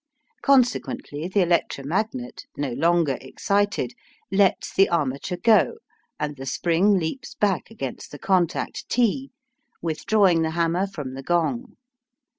Consequently the electromagnet, no longer excited, lets the armature go, and the spring leaps back against the contact T, withdrawing the hammer from the gong.